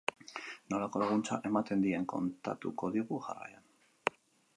Nolako laguntza ematen dien kontatuko digu jarraian.